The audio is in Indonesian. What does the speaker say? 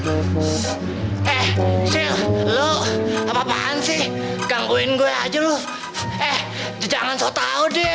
eh sil lo apa apaan sih gangguin gue aja lo eh jangan so tau deh